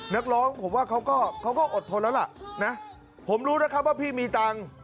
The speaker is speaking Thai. นักร้องผมว่าเขาก็อดทนแล้วล่ะนะผมรู้นะครับว่าพี่มีตังค์